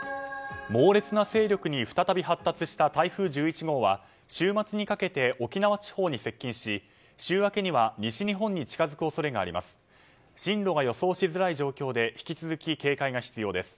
猛烈な勢力に再び発達した台風１１号は週末にかけて沖縄地方に接近し週明けには西日本に近づく恐れがあります。